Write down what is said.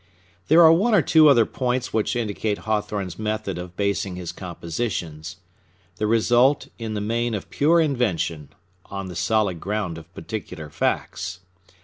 There are one or two other points which indicate Hawthorne's method of basing his compositions, the result in the main of pure invention, on the solid ground of particular facts.